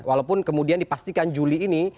walaupun kemudian dipastikan juli ini